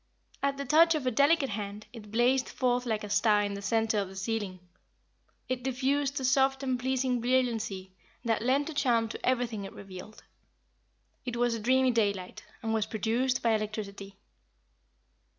At the touch of a delicate hand, it blazed forth like a star in the center of the ceiling. It diffused a soft and pleasing brilliancy that lent a charm to everything it revealed. It was a dreamy daylight, and was produced by electricity.